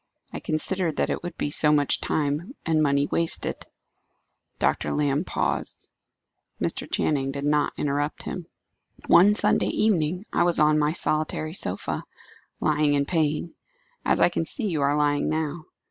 I considered that it would be so much time and money wasted." Dr. Lamb paused. Mr. Channing did not interrupt him. "One Sunday evening, I was on my solitary sofa lying in pain as I can see you are lying now.